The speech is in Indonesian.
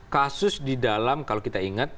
kasus di dalam kalau kita ingat